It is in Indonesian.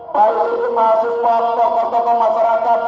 baik itu mahasiswa tokoh tokoh masyarakat